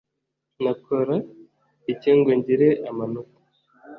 Nakora iki ngo ngire amanota